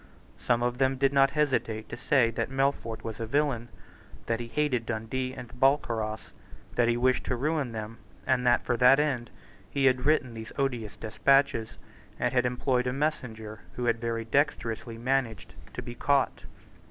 Some of them did not hesitate to say that Melfort was a villain, that he hated Dundee and Balcarras, that he wished to ruin them, and that, for that end, he had written these odious despatches, and had employed a messenger who had very dexterously managed to be caught.